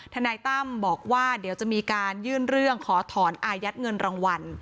นายตั้มบอกว่าเดี๋ยวจะมีการยื่นเรื่องขอถอนอายัดเงินรางวัล